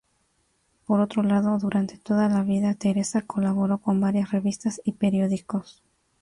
Por otro lado, durante toda la vida Teresa colaboró con varias revistas y periódicos.